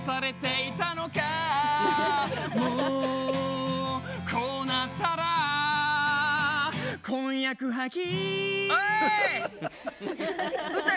「もうこうなったら婚約破棄」おい！